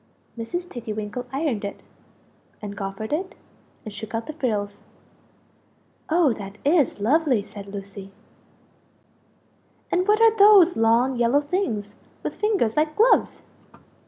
Mrs. Tiggy winkle ironed it, and goffered it, and shook out the frills. "Oh that is lovely!" said Lucie. "And what are those long yellow things with fingers like gloves?"